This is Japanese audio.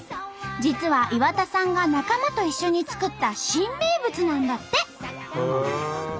実は岩田さんが仲間と一緒に作った新名物なんだって！